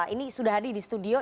ini sudah hadir di studio